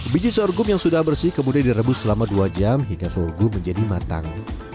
biji sorghum yang sudah bersih kemudian direbus selama dua jam hingga sorghum menjadi matang